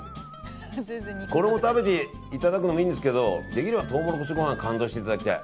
これを食べていただくのもいいんですけどできればトウモロコシご飯に感動していただきたい。